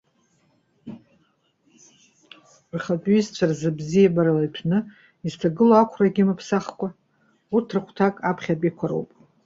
Рхатәҩызцәа рзы бзиабарала иҭәны, изҭагылоу ақәрагьы мыԥсахкәа. Урҭ рыхәҭак, аԥхьатәиқәа роуп.